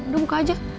udah buka aja